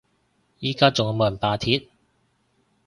而家仲有冇人罷鐵？